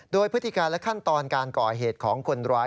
โดยพฤติการและขั้นตอนการก่อเหตุของคนร้าย